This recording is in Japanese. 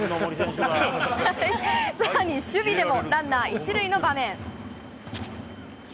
さらに守備でも、ランナー１塁の場面。